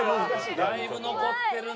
だいぶ残ってるな。